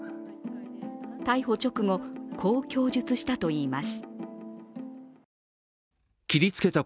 逮捕直後、こう供述したといいます。